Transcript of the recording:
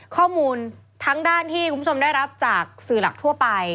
ข้อมูลทั้งด้านที่คุณผู้ชมได้รับจากสื่อหลักทั่วไป